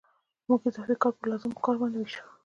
موږ اضافي کار په لازم کار باندې وېشو